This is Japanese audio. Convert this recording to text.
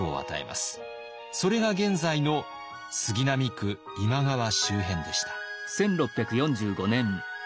それが現在の杉並区今川周辺でした。